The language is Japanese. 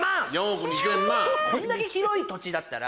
こんだけ広い土地だったら。